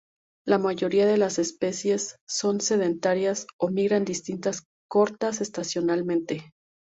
La mayoría de las especies son sedentarias o migran distancias cortas estacionalmente.